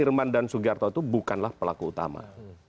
irman dan sugiharto itu bukanlah pelaku utama